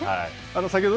先ほど